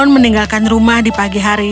meninggalkan rumah di pagi hari